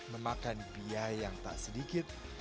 memakan biaya yang tak sedikit